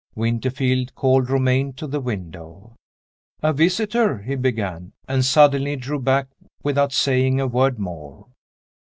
Winterfield called Romayne to the window. "A visitor," he began and suddenly drew back, without saying a word more.